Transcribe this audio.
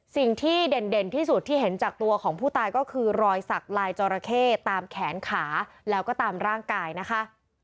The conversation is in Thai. สิ่งที่เด่นที่สุดที่เห็นจากตัวของผู้ตายก็คือรอยสักลายจอราเข้ตามแขนขาแล้วก็ตามร่างกายนะคะ